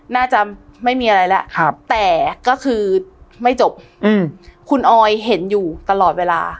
น่าจะไม่มีอะไรแล้วแต่ก็คือไม่จบคุณออยเห็นอยู่ตลอดเวลา